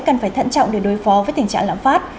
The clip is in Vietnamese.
cần phải thận trọng để đối phó với tình trạng lãm phát